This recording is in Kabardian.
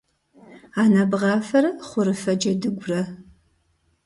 Анэ бгъафэрэ хъурыфэ джэдыгурэ.